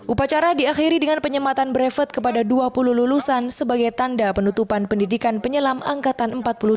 upacara diakhiri dengan penyematan brevet kepada dua puluh lulusan sebagai tanda penutupan pendidikan penyelam angkatan empat puluh dua